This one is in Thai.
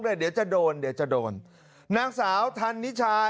เดี๋ยวจะโดนนางสาวธันเนียชา